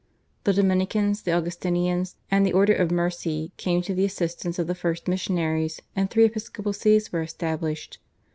The Dominicans, the Augustinians and the Order of Mercy came to the assistance of the first missionaries, and three episcopal sees were established.